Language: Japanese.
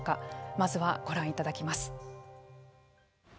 まずはご覧いただきます。